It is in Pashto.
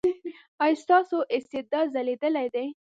ایا ستاسو استعداد ځلیدلی دی؟